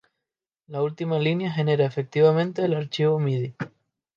La última línea genera efectivamente el archivo midi.